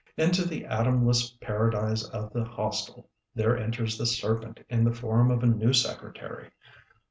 Into the Adamless paradise of the Hostel, there enters the serpent in the form of a new secretary.